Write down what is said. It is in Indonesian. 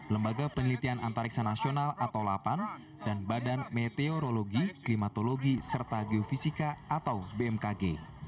lembaga penelitian antariksa nasional atau lapan dan badan meteorologi klimatologi serta geofisika atau bmkg